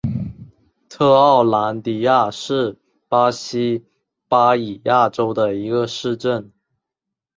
特奥兰迪亚是巴西巴伊亚州的一个市镇。